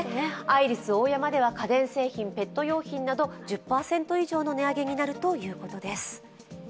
アイリスオーヤマでは家電製品、ペット用品など１０％以上の値上げになるということです。